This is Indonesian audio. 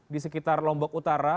di sekitar lombok utara